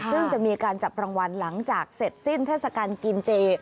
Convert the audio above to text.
ซึ่งจะมีการจับรางวัลหลังจากเสร็จสิ้นเทศกาลกินเจ